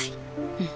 うん。